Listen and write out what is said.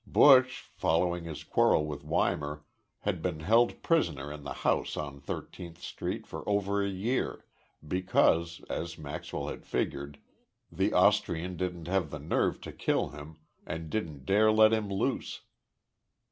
Buch, following his quarrel with Weimar, had been held prisoner in the house on Thirteenth Street for over a year because, as Maxwell had figured, the Austrian didn't have the nerve to kill him and didn't dare let him loose.